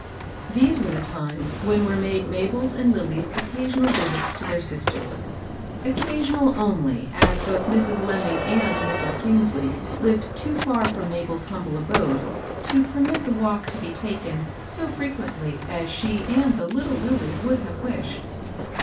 These were the times when were made Mabel's and Lilly's occasional visits to their sisters, — occa sional only; as both Mrs. Lemming and Mrs. Eangs ley lived too fer from Mabel's humble abode to permit the walk to be taken so frequently as she and the little Lilly would have wished.